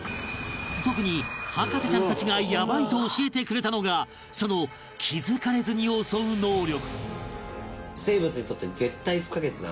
特に博士ちゃんたちがヤバい！と教えてくれたのがその気付かれずに襲う能力